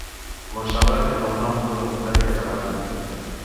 Montserrat és el nom d'una muntanya catalana.